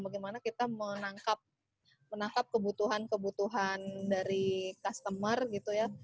bagaimana kita menangkap kebutuhan kebutuhan dari customer gitu ya